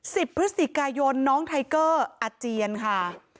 พฤศจิกายนน้องไทเกอร์อาเจียนค่ะ